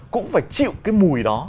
cũng phải chịu cái mùi đó